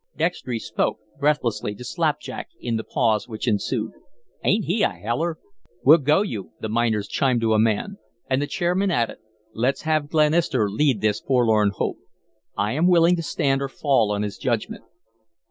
Dextry spoke, breathlessly, to Slapjack in the pause which ensued: "Ain't he a heller?" "We'll go you," the miners chimed to a man. And the chairman added: "Let's have Glenister lead this forlorn hope. I am willing to stand or fall on his judgment."